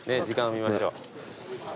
時間を見ましょう。